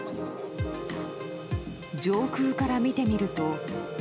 上空から見てみると。